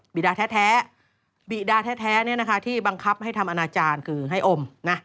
บีดาแท้บีดาแท้นี่นะคะที่บังคับให้ทำอาณาจารย์คือให้อม